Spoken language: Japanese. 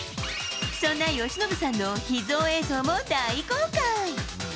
そんな由伸さんの秘蔵映像も大公開。